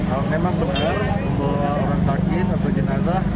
kalau memang benar bahwa orang sakit atau jenazah